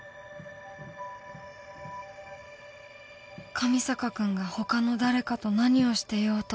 上坂君がほかの誰かと何をしてようと